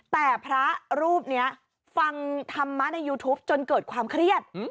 แต่พระรูปนี้ฟังธรรมะในยูทูปจนเกิดความเครียด